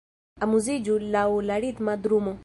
Amuziĝu laŭ la ritma drumo